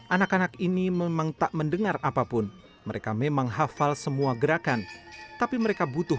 anak anak ini memang tak mendengar apapun mereka memang hafal semua gerakan tapi mereka butuh